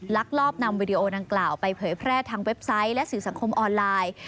ลักลอบนำวีดีโอดังกล่าวไปเผยแพร่ทางเว็บไซต์และสื่อสังคมออนไลน์